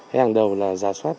hàng đầu là giả soát